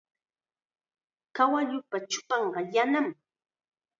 Kawalluupa chupanqa yanam.